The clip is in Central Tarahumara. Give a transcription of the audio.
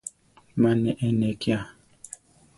Ma ne eʼnéki a.